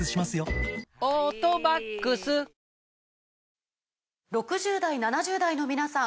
ああー６０代７０代の皆さん